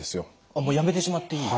あっもうやめてしまっていい？